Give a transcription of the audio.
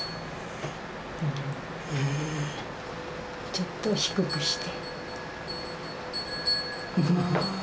ちょっと低くして。